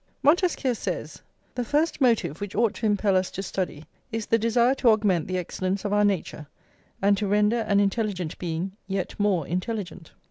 Montesquieu says: "The first motive which ought to impel us to study is the desire to augment the excellence of our nature, and to render an intelligent being yet more intelligent."